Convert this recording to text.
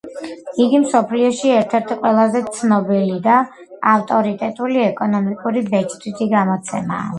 იგი მსოფლიოში ერთ-ერთი ყველაზე ცნობილი და ავტორიტეტული ეკონომიკური ბეჭდვითი გამოცემაა.